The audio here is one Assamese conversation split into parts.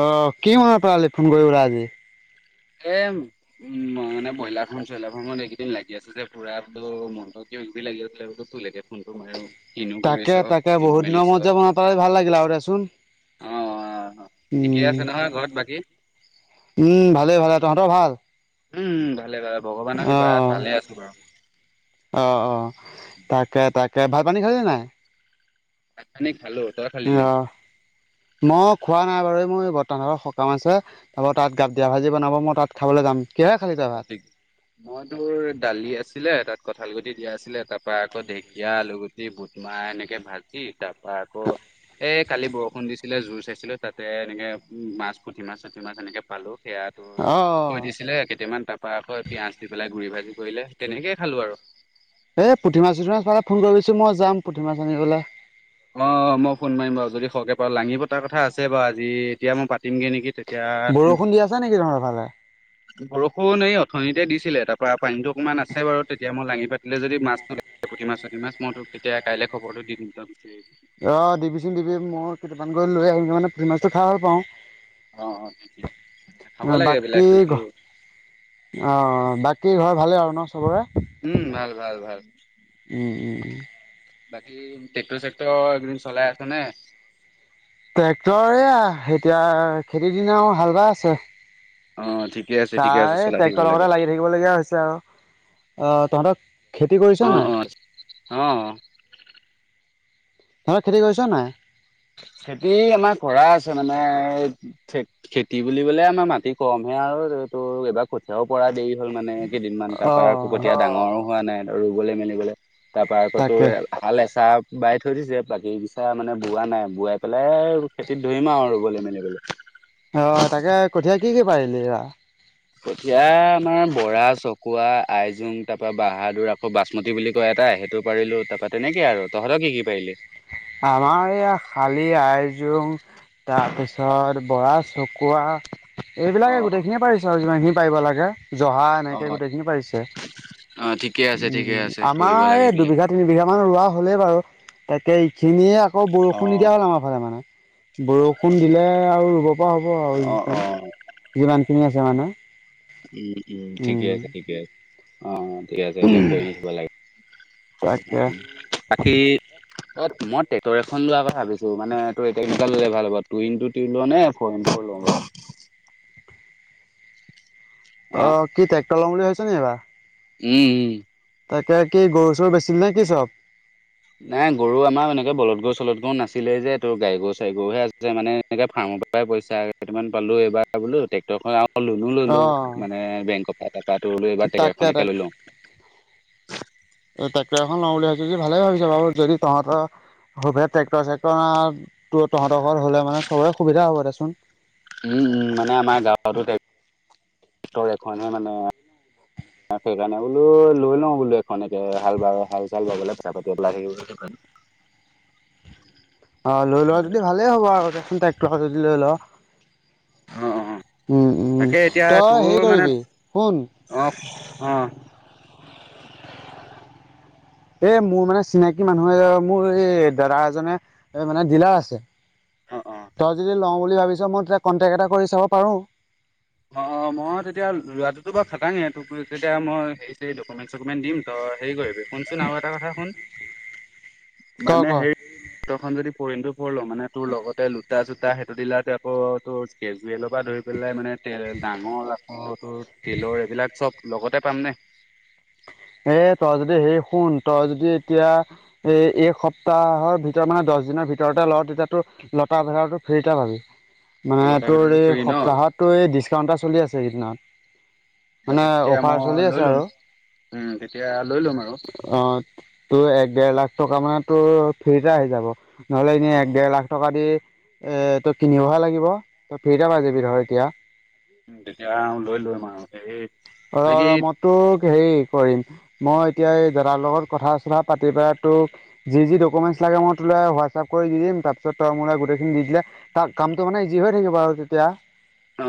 আহ, কি মনত পেলালি ফোন কৰিব লে আজি? এ, উম মানে বইলাৰ ফাৰ্ম-চয়লাৰ ফাৰ্মত এইকেইদিন লাগি আছে যে পুৰা মনত লাগি লাগে ফোনটো মায়ে আৰু তাকে, তাকে বহুত দিনৰ মুৰত যে মনত ভাল লাগিলা আৰু দেচোন ঠিকে উম, আছে নহয় ঘৰত বাকী উম ভালেই ভালে ত তহঁতৰ ভাল? উম, ভালে ভালে ভগৱানৰ অ আশীৰ্বাদ ভালে আছো বাৰু। অ, অ তাকে তাকে ভাত পানী খালি নাই? ভাত পানী খালো। তই খালি অ নাই। মই খোৱা নাই বাৰু এই মোৰ বৰ্তা ঘৰত সকাম আছে তাৰ তাত গাপ দিয়া ভাজি বনাব মই তাত খাবলৈ যাম। কিহেৰে খালি তই ভাত অ' মই তোৰ দালি আছিলে, তাত কঁঠাল গুঠি দিয়া আছিলে, তাৰ পৰা আকৌ ঢেকীয়া আলুগুটি বুটমাহ এনেকে ভাজি তাৰ বা আকৌ এই কালি বৰষুণ দিছে ছিলে জোৰ চাইছিলো তাতে এনেকে উ মাছ পুঠি মাছ চুঠি মাছ এনেকে পালো সৰা অ অ থৈ দিছিলে কেইয়ামান তাৰপৰাকৈ পিঁয়াজ দি পেলাই গুৰি ভাজি কৰিলে তেনেকেই খালো আৰু। এ, পুঠিমাছ পুঠি মাছ পালে ফোন কৰি বি চোন মই যাম পুঠিমাছ আনিবলৈ। অ, মই ফোন মাৰিম বাৰু যদি সৰকে পাও লাঙি পতাৰ কথা আছে বাৰু আজি এতিয়া মই পাতিমগৈ নেকি? তেতিয়া বৰষুণ দি আছে নেকি তোমাৰ ফালে বৰষুণ এই অথনিতে দিছিলে তাৰ পৰা পানীতটো অকণমান আছে বাৰু, তেতিয়া মই লাঙি পাতিলো যদি মাছ ধৰো পুঠি মাছ চুটি মাছ তেতিয়া কাইলৈ খবৰটো দি দিম অ' দিবিচোন দিবি মই কেইটামান গৈ লৈ আহ মানে পুঠি মাছটো খাই ভাল পাওঁ অ অ ঠিকে ঠিকে খাব লাগে এইবিলাক বাকী ঘ লোকেল অ' অ বাকী ঘৰ ভালে আৰু ন? চবৰে? উম ভাল, ভাল, ভাল। ওম ওম ওম বাকী ট্ৰেক্টৰ-চেক্টৰ এই কেই দিন চলাই আছ নে? ট্ৰেক্টৰে এতিয়া খেতিৰ দিনা হাল বাই আছে। অ ঠিকে আছে ঠিকে আছে তাই চলাই থাকিব ট্ৰেক্টৰ লাগে। লগতে লাগি থাকিব লগগীয়া হৈছে আৰু। অ, তহঁতৰ অ, অ, অ। তহঁতি খেতি কৰিছ নাই? খেতি আমাৰ কৰা আছে মানে ই খেতি বুলিবলে, আমাৰ মাটি কমহে আৰু এইটো, এবাৰ কঠিয়াও পৰা দেৰি হ'ল মানে। কেইদিনমান অ তাৰপৰা, কুকটীয়া ডাঙৰো হোৱা নাই ৰুবলৈ মেলিবলে। তাৰপৰা, আকৌ তোৰ তাকে হাল এচাহ বাই থৈ দিছে, বাকীচা মানে বোৱা নাই। বোৱাই পেলাই খেতিত ধৰিম আৰু ৰুবলৈ মেলিবলৈ। অ'! তাকে, কঠিয়া কি কি পাৰিলি? কঠিয়া আমাৰ বৰা, চকুৱা, আইজোং তাৰপৰা বাহাদুৰ আকৌ বাচমতি বুলি কয়। তাই সেইটো পাৰিলোঁ, তাৰাপা তেনেকে আৰু। তহঁতৰ কি কি পাৰিলি? আমাৰ এইয়া শালি, আইজোং তাৰপিছত, বৰা চকোৱা। অ এইবিলাকে গোটেই খিনিয়ে পাৰিছোঁ আৰু যিমান খিনি পাৰিব লাগে, জহা এনেকে অ গোটেই খিনি পাৰিছে। অ ঠিকে আছে ঠিকে উম, আছে কৰিব লাগে আমাৰ এই এইবিলাক দুবিঘা, তিনি বিঘা মান ৰোৱা হ'লেই বাৰু। তাকে, এইখিনিয়ে আকৌ অ বৰষুণ নিদিয়া হ'ল আমাৰ ফালে মানে। বৰষুণ দিলে আৰু ৰুব পৰা হ'ব অ আৰু অ যিমান খিনি আছে মানে। উম, উম, ঠিকে আছে, ঠিকে আছে। অ'! অ'! তাকে [unintelligible] ট্ৰেক্টৰ এখন লোৱাৰ কথা ভাবিছোঁ। মানে, তোৰ এতিয়া কেনেকোৱা ল'লে ভাল হ'ব, টো ইনটু টো লওঁ নে, ফৌৰ ইনটু ফৰ লওঁ বাৰু? [inaudible] হা, অ'! কি ট্ৰেক্টৰ লম বুলি ভাবিছ নি এইবাৰ? উম! উম! তাকে, কি গৰু, চৰু বেচিলি নেকি চব? নাই গৰু আমাৰ এনেকে বলত গছ - [unintelligible] কো নাছিলে যে, তোৰ গাড়ী গৰু, চাৰি গৰুহে আছে। মানে, এনেকে ফাৰ্মৰ পৰাই পইচা কেইটামান পালোঁ এইবাৰ। বোলো ট্ৰেক্টৰখন আৰু ললোঁ ললোঁ। অ' মানে, বেংক পৰা টকাটো লৈ এবাৰ ট্ৰেক্টৰ তাকে এখনকে লৈ লওঁ। [unintelligible] ট্ৰেক্টৰ এখন লওঁ বুলি ভাবিছ যদি, ভালে ভাবিছ বাৰু, যদি তহঁতৰ, সুভে ট্ৰেক্টৰ চেক্টৰ আঁ। তহঁতৰ ঘৰত হ'লে মানে, চবৰে সুবিধা হ'ব দেচোন। উম! উম! মানে, আমাৰ গাঁৱতো ট্ৰেক্টৰ এখনহে মানে। সেইকাৰণে, বোলো লৈ লওঁ বোলো এখন। এ, হাল, হাল চাল বাবলে [unintelligible] পেলাই থাকিব। [inaudible] অ'! লৈ লোৱা যদি ভালেই হ'ব আৰু দেচোন ট্ৰেক্টৰ যদি লৈ ল'। অ'! অ'! উম, তাকে, এতিয়া তই হেৰি তোৰ মানে, কৰিবি শুন অ'! অ'! [inaudible] এ মোৰ মানে, চিনাকি মানুহ এ, মোৰ এই দাদা এজনে মানে, ডিলাৰ আছে। অ অ তই যদি লওঁ বুলি ভাবিছ, মই তেতিয়া কন্টেক্ট এটা কৰি চাব পাৰোঁ। অ'! মই তেতিয়া লোৱাটোতো বাৰু খাটাঙে। [unintelligible] তেতিয়া, মই হেৰি চেৰি, ডকুমেণ্ট চকুমেট দিম, তই হেৰি কৰিবি। শুনচোন আৰু এটা কথা শুন। ক মানে, ক হেই [unintelligible] মানে, তোৰ লগতে লোটা, চোতা সেইটো ডিলাৰতে আকৌ, তোৰ কেজুৱেলৰ পৰা ধৰি পেলাই মানে ডাঙৰ আকৌ, তোৰ তিলৰ এইবিলাক চব লগতে পাম নে? এ, তই যদি হেৰি শুন, তই যদি এতিয়া এ, এক সপ্তাহৰ ভিতৰত মানে দ দশ দিনৰ ভিতৰতে ল'। তেতিয়াতো লতা ভেলাৰো ফ্ৰিতে পাবি। অ মানে লতাৰ তোৰ, ভিতৰতো এই ফ্ৰী ন সপ্তাহততো এই ডিচকাউণ্ট এটা চলি আছে সেইদিনত। মানে, তাৰপিছত তেতিয়া মই অফাৰ চলি লৈ আছে ল'ম আৰু। উম তেতিয়া লৈ ল'ম আৰু অ'! তোৰ এক, ডেৰ লাখ টকা মানে, তোৰ ফ্ৰীতে আহি যাব, নহ'লে অ এনে এক, ডেৰ অ লাখ টকা দি এ, তই কিনিবহে লাগিব। তই ফ্ৰীতে পাই যাবি নহয় এতিয়া। উম তেতিয়া লৈ লম আৰু এই [unintelligible] বাকী হেৰি কৰিম, মই এতিয়া এই দাদাৰ লগত কথা চথা পাতি পেলাই তোক যি যি ডকুমেন্ট, তোলে হোৱাটছআপ কৰি দি দিম, তাৰপিছত তই গোটেইখিনি দিলে তা কামটো মানে ইজি হৈ থাকিব আৰু তেতিয়া।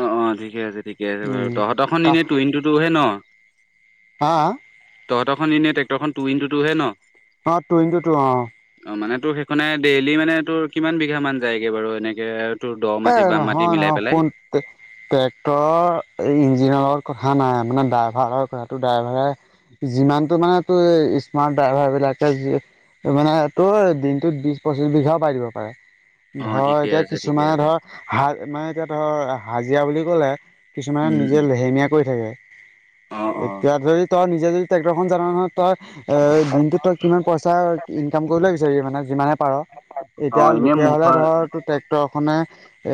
অ অ ঠিকে আছে ঠিকে আছে বাৰু। উম, তহঁতৰখন কা এনেই টুইন টোতোহে ন? হা। তহঁতৰখন এনে টেক্টৰখন টু ইনটু টু হে ন? অ টু ইনটু টো অ। অ মানে তোৰ সেইখনে ডেইলি মানে তোৰ কিমান বিঘামান যায়গৈ বাৰু এনেকে? তোৰ দ এ মাটি বাম মাটি নহয় মিলাই নহয় পেলাই শুন ট্ৰেক্টৰৰ ইঞ্জিনৰ- কথা নাই, মানে ড্ৰাইভাৰৰ কথাটো ড্ৰাইভাৰে যিমানটো মানে তোৰ স্মাৰ্ট ড্ৰাইভাৰ বিলাকে মানে তোৰ দিনটোত বি- পঁচিছ বিঘাও পাই দিব পাৰে। অ ধৰ ঠিকে এতিয়া আছে ঠিকে কিছুমান আছে ধৰ হাৰ মানে এতিয়া ধৰ হাজিৰা বুলি কলে কিছুমানে উম উম নিজে লেহেমীয়া কৰি থাকে। অ অ এতিয়া ধৰি তই নিজে যদি ট্ৰেক্টৰ খন জানা নহয়, তই এ দিনটোত তই কিমান পইচা ইনকাম কৰিব বিচাৰি মানে যিমানে পাৰ। অ এতিয়া এনেই লোকে হলে মোৰখন ধৰটো ট্ৰেক্টৰ খনে।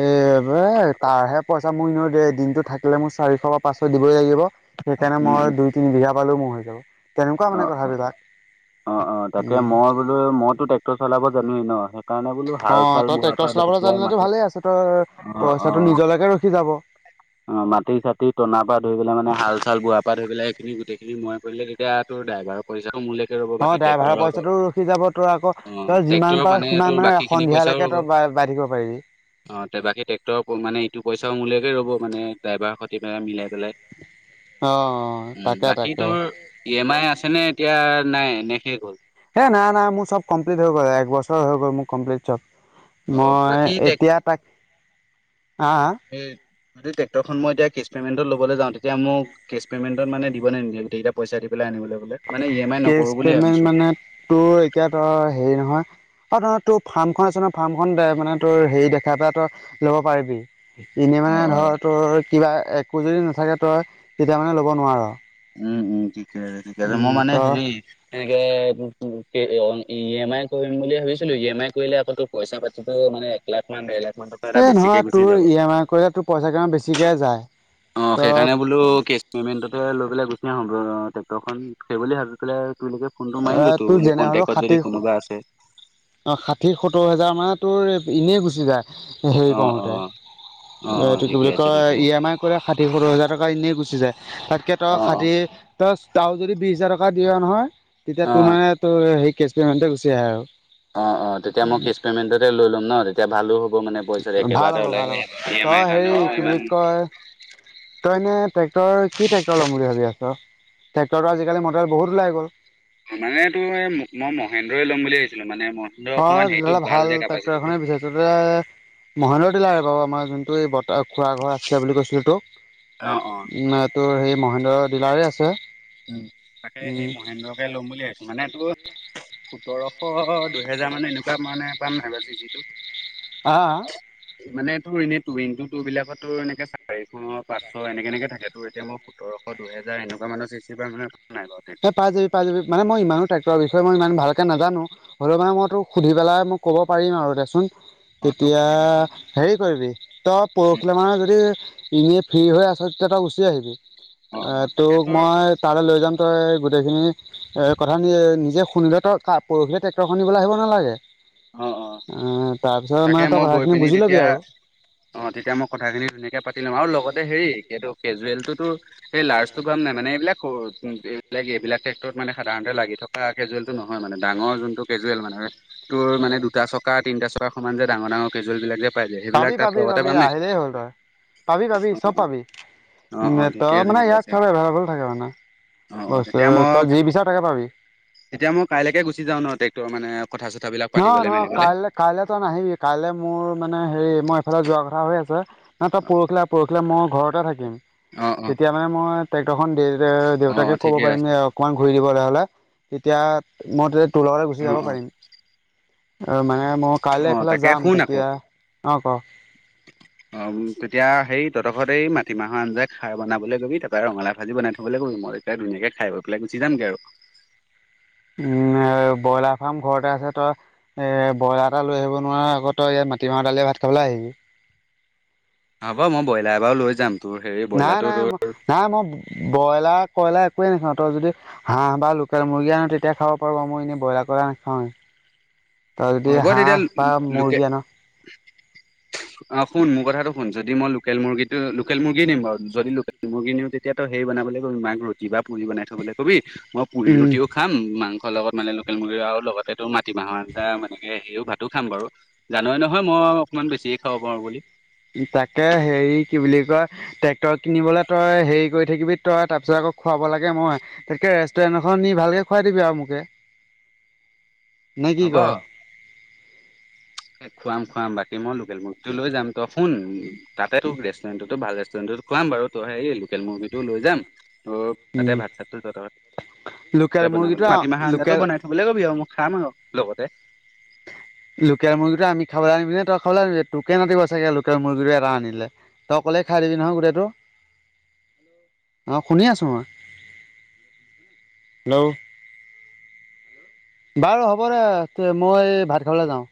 এ তাৰহে পইচা মোৰ এনেও দে দিনটো থাকিলে মোক চাৰিশ বা পাঁচশ দিবই লাগিব। সেইকাৰণে উম মই উম দুই তিনি বিঘা পালেও মই হৈ যাব তেনেকুৱা অ মানে অ কথাবিলাক। অ অ তাকে উম মই বোলো মইতো ট্ৰেক্টৰ চলাব জানো ন সেইকাৰণে বোলো অ হাল তই চাল বোৱা ট্ৰেক্টৰ চলাবলৈ জানিলো তো ভালে আছে তৰ পইচাটো অ নিজলৈকে ৰখি যাব অ মাটি চাটি টনাৰ পৰা ধৰি পেলাই মানে হাল চাল বোৱাৰ পৰা ধৰি বিলাই এই খিনি গোটেইখিনি মই কৰিলে তেতিয়া তোৰ ড্ৰাইভাৰৰ পইচাটোও মোলে অ ড্ৰাইভাৰৰ পইচাটোও ৰখি যাব তোৰ আকৌ তই যিমান ট্ৰেক্টৰৰ পাৰ তোৰ সিমান মানে বাকী খিনি পইচাও সন্ধিয়ালৈকে ৰ'ব তই বাই বাই থাকিব পাৰিবি। অ বাকী ট্ৰেক্টৰৰ মানে ইটো পইচাও মোলেকে ৰ'ব মানে ড্ৰাইভাৰ সতি মিলাই অ বেলেগ উম তাকে বাকী তাকে তোৰ ই এম আই আছেনে এতিয়া নাই এনে শেষ হ'ল। হে নাই নাই মোৰ চব কমপ্লিট হৈ গ'ল এক বছৰ হৈ গ'ল মোৰ কমপ্লিট চব। অ মই বাকী টেক এতিয়া তাক আ এ যদি ট্ৰেক্টৰ খন মই এতিয়া কেছ পেমেণ্টত ল'ব যাওঁ তেতিয়া মোক কেচ পেমেণ্ট ত মানে দিব নে নিদিয়ে তেতিয়া পইচা দি পেলাই আনিব কেচ পেমেন্ট মানেটো এতিয়া ত হেৰি নহয়। অ নহয় তোৰ ফাৰ্মখন আছে নহ ফাৰ্মখন দে মানে তোৰ হেৰি দেখা পাই তই লব পাৰিবি। এনে অ মানে অ ধৰ তোৰ কিবা একো যদি নাথাকে তই তেতিয়া মানে ল'ব নোৱাৰ। উম উম ঠিকে আছে ঠিকে আছে মই উম মানে তই হেৰি এনেকে ই এম আই কৰিম বুলি ভাবিছিলো ই এম আই কৰিলে আকৌ তোৰ পইচা পাতিতো মানে এক লাখ মান [unintelligible] এ বেছিকে নহয় গুচি তোৰ যাব। ই এম আই কৰিলে তোৰ পইচা কিমান বেছিকে যায়। অ তই সেইকাৰণে বোলো কেচ পেমেন্টটোত লৈ পেলাই গুচি আহো সম্ ট্ৰেক্টৰ খন সেইব বুলি ভাবি পেলাই তুমিলোকে ফোনটো মাৰিলো তো তোৰ বোলো কণ্টেক্টত যদি কোনোবা আছে অ ষাঠি সত্তৰ হোজাৰ মানে তোৰ এনেই গুচি যায় হেৰি অ', কৰোতে। অ', অ', অ', এইটো কি ঠিকে বুলি আছে কয় ঠিকে ই আছে এম আই কৰি ষাঠি সোতৰ হাজাৰ টকা এনেই গুচি যায় তাতকে তই অ', অ', ষাঠি ত আৰু যদি বিশ হাজাৰ টকা দিয়া নহয় তেতিয়া তোৰ অ', মানে তোৰ সেই কেছ পেমেণ্ট গুচি আহে আৰু অ অ তেতিয়া মই কেচ পেমেন্টতে লৈ লম ন তেতিয়া ভালো হ'ব মানে পইচাটো ভাল একেবাৰতে হ'ব ওলাই ভাল হ'ব ই এম তই আইৰ কাৰণেও হেৰি কি বুলি ইমান কয়। তইনে ট্ৰেক্টৰ কি ট্ৰেক্টৰ লম বুলি ভাবি আছ ট্ৰেক্টৰ টো আজিকালি মডেল বহুত ওলাই গ'ল। মানে টো এই মই মহেন্দ্ৰই ল'ম বুলি ভাবিছিলো মানে। মহেন্দ্ৰ অ অকণমান তেতিয়া হেৰিটো হ'লে ভাল যে ট্ৰেক্টৰ কেপাচিটিটো। এখনে বিচাৰিছ তই মহন্দৰ দিলা বাৰু আমাৰ যোনটো এই বতাহ খোৱা ঘৰ আছিলে বুলি কৈছিলো তোক অ-অ তোৰ হে মহেন্দ্ৰ ডিলাৰে আছে৷ উ তাকে সেই মহেন্দ্ৰকে লম বুলি ভাবিছো মানে টো সোতৰশ দুহেজাৰ মানে এনেকুৱা মানে পাম নাইবা চি চি টো? আহঁ মানে তোৰ এনেই টু ইনতো টু বিলাকত তো এনেকে চাৰিশ পাঁচশ এনেকে এনেকে থাকে তোৰ এতিয়া মই সোতৰ এ দুহেজাৰ এনেকুৱা মানৰ চিচি স পাই যাবি পাই যাবি মানে মই ইমানো ট্ৰেক্টৰ বি মই ইমান ভালকৈ নাজানো হ'লেও মান মই অ', তো সুধি পেলাই মই ক'ব পাৰিম আৰু দেচোন৷ অ তই তেতিয়া সুধিবিচোন হেৰি কৰিবি তই পৰখিলে মানে যদি ইনে ফ্ৰী হৈ আছ তেতিয়া তাক গুচি আহিবি অ', অ', তাকে তোক তোৰ মই তালৈ লৈ যাম৷ গোটেই খিনি এ কথা নিজে শুনিলে পৰহিলে ট্ৰেক্টৰ শুনিবলৈ আহিব নালাগে৷ অ-অ তাৰপিছত তাকে মানে তই মই গৈ কথাখিনি পিনি বুজি ল'বি তেতিয়া আৰু অ তেতিয়া মই কথাখিনি ধুনাকে পাতি লম আৰু লগতে হেৰি এইটো। কেজুৱেলটোতো সেই লাৰ্জটো কাম নাই মানে এইবিলাক সৰু এইবিলাক এইবিলাক টেক্টৰত মানে সাধাৰণতে লাগি থকা কেজুৱেলটো নহয় মানে ডাঙৰ যোনটো কেজুৱেল মানে। তোৰ মানে দুটা চকা তিনিটা চকা সমান যে ডাৰ ডাঙৰ কেজুৱেল বিলাক যে পাই যায় সেইবিলাক তাত লগতে পাবি-পাবি-পাবি পাম নে আহিলেই হ'ল তই পাবি-পাবি অ অ চব পাবি। অ উ অ ত ঠিকে আছে মানে ঠিকে ইয়াত আছে চব এভেলেভল থাকে মানে। অ অ বস্তু তেতিয়া মই তই যি বিচাৰ তাকে পাবি। তেতিয়া মই কাইলেকে গোচি যাওঁ ন ট্ৰেক্টৰ মানে কথা চথাবিলাক পাতিবলৈ নহ-নহ মেলিবলৈ কাইলৈ কাইলে তই নাহিবি কাইলে মোৰ মানে হেৰি মই এইফালে যোৱা কথা হৈ আছে। ন তই পৰখিলে আহ পৰখিলে মই ঘৰতে থাকিম। অ অ তেতিয়া মানে মই ট্ৰেক্টৰখন দে অ দেউতাকে ক'ব ঠিকে পাৰিম আছে অকমান লৈ যাবলে হলে তেতিয়া মই তেয়া তোৰ লগ গুচি অ যাব অ পাৰিম ম অ তাকে শুন আকৌ অঁ ক অ তেতিয়া হেৰী তহতঘৰত এই মাটিমাহৰ আঞ্জ খাইনাবলৈ কবি তাপা ৰঙালাও ভাজি বনাই থবলৈ কবি মইতিয়া ধুনীয়াক খাই বৈ পেলাই গুছি যামগে আৰু। উম ব্ৰইলাৰ ফাৰ্ম ঘৰতে আছে তই এ ব্ৰইলাৰ এটা লৈ আহিব নোৱাৰা আক তই ইয়াত মাটিমাহৰ দাইল লে ভাত খাবলৈাই আহিবি। হ'ব মই ব্ৰইলাৰ বাৰু লৈ যাম। তোৰ হেৰি ব্ৰইলাৰটো তোৰ নাই-নাই-নাই মই বইলাৰ কইলা একোৱে নাখাওঁ তই যদি হাঁহ বা লোকেল মুৰ্গী আন তেতিয়াাই খাব পাৰো আউ মই এনেই ব্ৰইলাৰ কৰা নাখাৱেই। হ'ব তেতিয়া হলে লোকে মুৰ্গী আন অ শুন মোৰ কথাটো শুন যদি মই লোকেল মুৰ্গীটো লোকেল মুৰ্গী নিম বাৰু যদি লোকেল মুৰ্গী নিওঁ তেতিয়াতো সেই বনাবলৈ গৈম মাক ৰুটি বা পুৰী টি বনাই থবলৈ কবি মই পুৰি উম ৰুটিও খাম মাংসৰ লগত মানে লোকেল মুৰ্গী আৰু লগতে তোৰ মাটিমাহৰ আঞ্জা মানে সেইও ভাতো খাম বাৰু জানৱে নহয় মই অকমান বেছিয়ে খাব পাৰো বুলি। তাকে হেৰি কি বুলি কয় ট্ৰেক্টৰ কিনিবলৈ তই হেৰি কৰি থাকিবি তই তাৰপিছত খুৱাব লাগে মই তেকে ৰেষ্টুৰেণ্ট এখন নি ভালকে খুৱাই দিবি আৰু মোকে। [unintelligible] নে কি ক? এ খুৱাম-খুৱাম বাকী মই লোকেল মুগ তটো লৈ যাম ত শুন তাতে তোক ৰেষ্টুৰেণ্টো ভাল ন্তত খুৱাম বাৰু তই সে লোকেল মুৰ্গীটো লৈ যাম অ তাতে উম ভাত চাত তাতে লোকেল বনাব মুৰ্গীটো মাটিমাহ ইও লোকেল বনাই থবলৈ ক'বি আৰু মোক। খাম আৰু লগতে। লোকেল মুৰ্গীটো আমি খাবলৈ আনিবি নে তই খাবলৈ আনিবি তোকে নাতিব চাগে লোকেল মুৰ্গীটো এটা আনিলে তই কলে খাই দিবি নহ গোটেতটো। [inaudible] অ শুনি আছো মই। হেল্ল'। বাৰু হ'ব দে মই ভাত খাবলৈ যাও।